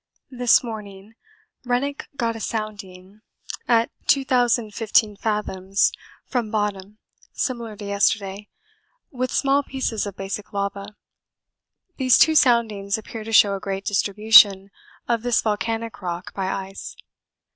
This morning Rennick got a sounding at 2015 fathoms from bottom similar to yesterday, with small pieces of basic lava; these two soundings appear to show a great distribution of this volcanic rock by ice.